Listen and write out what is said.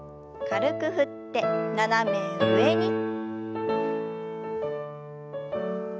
軽く振って斜め上に。